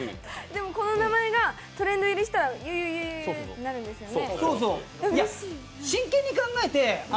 でも、この名前がトレンド入りしたらゆいゆいゆいとなるんですよね。